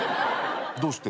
どうして？